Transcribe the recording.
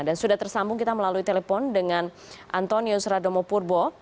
dan sudah tersambung kita melalui telepon dengan antonius radomo purbo